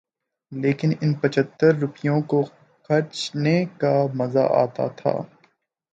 لیکن ان پچھتر روپوں کو خرچنے کا مزہ آتا تھا۔